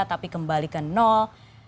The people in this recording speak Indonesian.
tapi kembali ke nol